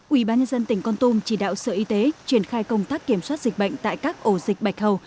ubnd tỉnh con tum chỉ đạo sở y tế triển khai công tác kiểm soát dịch bệnh tại các ổ dịch bạch hầu